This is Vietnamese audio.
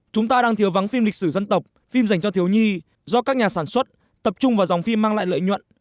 chúng ta đang thiếu vắng phim lịch sử dân tộc phim dành cho thiếu nhi do các nhà sản xuất tập trung vào dòng phim mang lại lợi nhuận